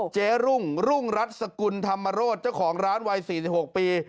เจ๊รุ่งรุ่งรัฐสกุลธรรมโรธเจ้าของร้านวัย๔๖ปี